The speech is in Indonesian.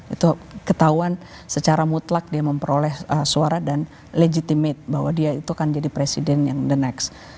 itu ketahuan secara mutlak dia memperoleh suara dan legitimate bahwa dia itu akan jadi presiden yang the next